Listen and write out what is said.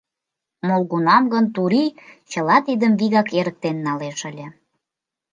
Молгунам гын Турий чыла тидым вигак эрыктен налеш ыле.